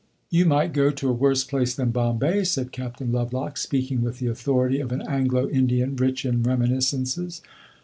"You might go to a worse place than Bombay," said Captain Lovelock, speaking with the authority of an Anglo Indian rich in reminiscences.